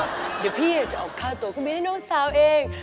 เดี๋ยวพี่จะออกค่าตัวคุณบินให้น้องสาวเอง